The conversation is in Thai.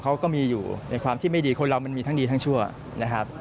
เขาก็มีอยู่ในความที่ไม่ดีคนเรามันมีทั้งดีทั้งชั่วนะครับ